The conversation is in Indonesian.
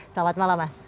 selamat malam mas